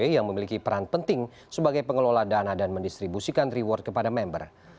yang memiliki peran penting sebagai pengelola dana dan mendistribusikan reward kepada member